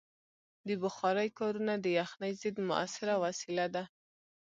د بخارۍ کارونه د یخنۍ ضد مؤثره وسیله ده.